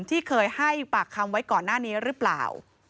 ที่เคยให้ปากคำไว้ก่อนหน้านี้หรือเปล่า